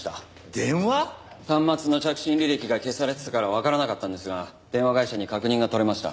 端末の着信履歴が消されてたからわからなかったんですが電話会社に確認が取れました。